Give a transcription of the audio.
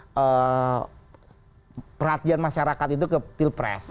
jadi mungkin perhatian masyarakat itu ke pilpres